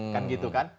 kan gitu kan